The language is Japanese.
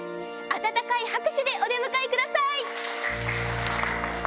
温かい拍手でお出迎えください。